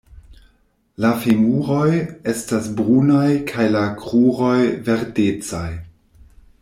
La femuroj estas brunaj kaj la kruroj verdecaj.